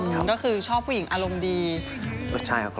หลังจากนั้นก็ไปงานคอสเตอร์ก็ได้เจอกันอีกครับ